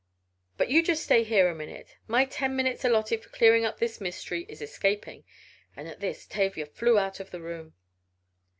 "But you just stay here a minute. My ten minutes alloted for clearing up the mystery is escaping," and at this Tavia flew out of the room.